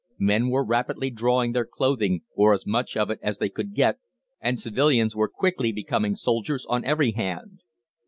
Men were rapidly drawing their clothing, or as much of it as they could get, and civilians were quickly becoming soldiers on every hand.